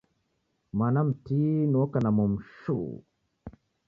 Mwana mtini oka na momu shuu.